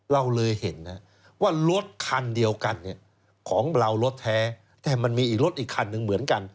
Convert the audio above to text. เราเลยเห็นนะว่ารถคันเดียวกันของเรารถแท้แต่มันมีอีกรถอีกคันหนึ่งเหมือนกัน